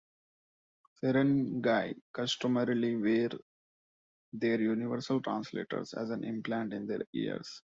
Ferengi customarily wear their Universal Translators as an implant in their ears.